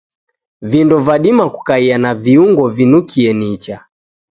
Vindo vadima kukaia na viungo vinukie nicha.